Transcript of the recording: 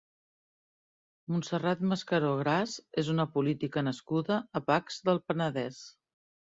Montserrat Mascaró Gras és una política nascuda a Pacs del Penedès.